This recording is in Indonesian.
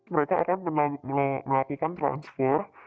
mereka akan melakukan transfer